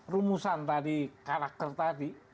rumusan tadi karakter tadi